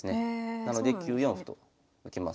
なので９四歩と受けます。